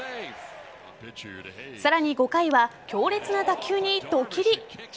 さらに５回は強烈な打球にドキリ。